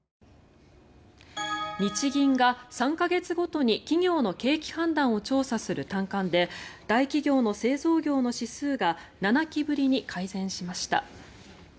日銀が３か月ごとに企業の景気判断を調査する短観で大企業の製造業の指数が７期ぶりに改善しました。